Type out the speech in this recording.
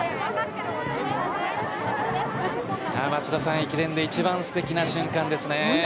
一番駅伝ですてきな瞬間ですね。